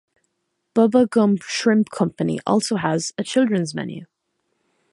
Bubba Gump Shrimp Company also has a children's menu.